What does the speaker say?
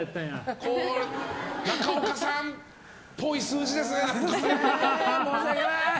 中岡さんっぽい数字ですね。